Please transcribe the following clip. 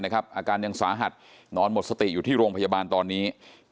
อาการยังสาหัสนอนหมดสติอยู่ที่โรงพยาบาลตอนนี้